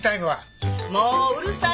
もううるさいな。